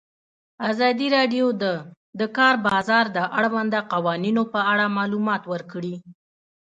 ازادي راډیو د د کار بازار د اړونده قوانینو په اړه معلومات ورکړي.